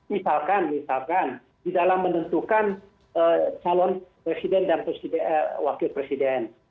misalkan misalkan di dalam menentukan calon presiden dan wakil presiden